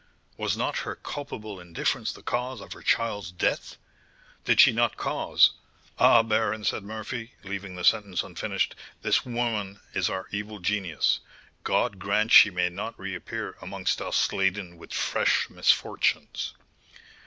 Was not her culpable indifference the cause of her child's death? Did she not cause Ah, baron," said Murphy, leaving the sentence unfinished, "this woman is our evil genius. God grant she may not reappear amongst us laden with fresh misfortunes!"